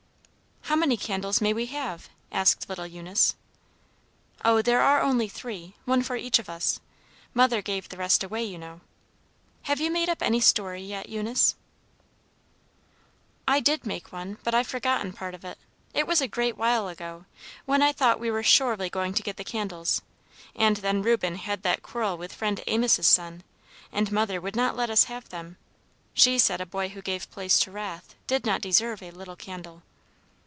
"How many candles may we have?" asked little Eunice. "Oh, there are only three, one for each of us. Mother gave the rest away, you know. Have you made up any story yet, Eunice?" "I did make one, but I've forgotten part of it. It was a great while ago, when I thought we were surely going to get the candles, and then Reuben had that quarrel with Friend Amos's son, and mother would not let us have them. She said a boy who gave place to wrath did not deserve a little candle."